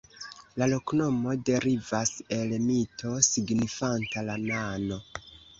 La loknomo derivas el mito signifanta "la nano".